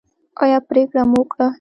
ایا پریکړه مو وکړه؟